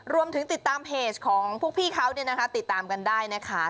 รวมถึงติดตามเพจของพวกพี่เขาติดตามกันได้นะคะ